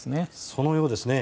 そのようですね。